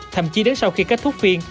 thậm chí đến sau khi kết thúc phiên